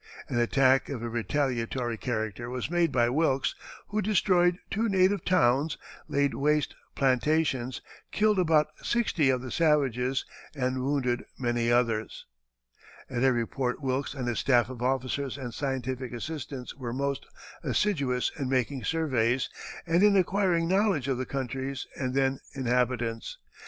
An attack of a retaliatory character was made by Wilkes, who destroyed two native towns, laid waste plantations, killed about sixty of the savages and wounded many others. [Illustration: View of the Antarctic Continent. (From a sketch by Captain Wilkes.)] At every port Wilkes and his staff of officers and scientific assistants were most assiduous in making surveys and in acquiring knowledge of the countries and their inhabitants.